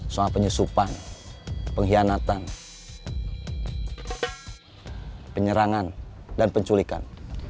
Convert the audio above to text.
soal penyusupan pengkhianatan penyerangan dan penculikan